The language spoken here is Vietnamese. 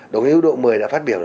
đồng chí đỗ mười đã phát biểu